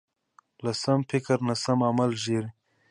له سم فکر نه سم عمل زېږي.